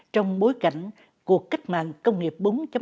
trong bối cảnh cuộc cách mạng công nghiệp bốn